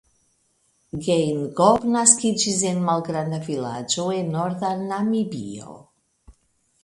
Geingob naskiĝis en malgranda vilaĝo en norda Namibio.